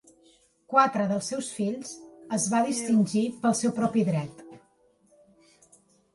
Quatre dels seus fills es va distingir pel seu propi dret.